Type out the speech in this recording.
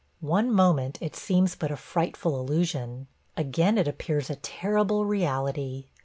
One moment it seems but a frightful illusion; again it appears a terrible reality.